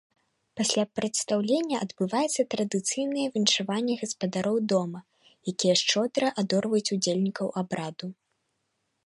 Пасля прадстаўлення адбываецца традыцыйнае віншаванне гаспадароў дома, якія шчодра адорваюць удзельнікаў абраду.